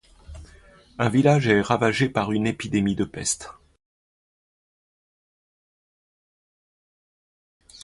Un village est ravagé par une épidémie de peste.